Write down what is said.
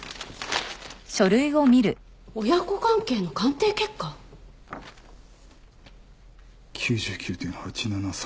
親子関係の鑑定結果？９９．８７３